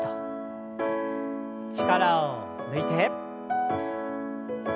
力を抜いて。